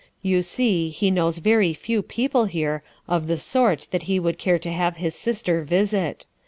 You see he knows very few people here of the sort that he would care to have his sister visit.